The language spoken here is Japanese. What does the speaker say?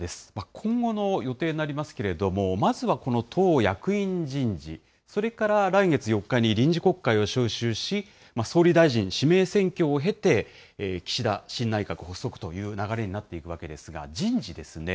今後の予定になりますけれども、まずはこの党役員人事、それから来月４日に臨時国会を召集し、総理大臣指名選挙を経て、岸田新内閣発足という流れになっていくわけですが、人事ですね。